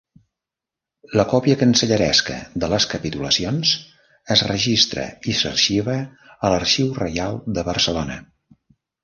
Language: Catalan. La còpia cancelleresca de les capitulacions es registra i s'arxiva a l'Arxiu Reial de Barcelona.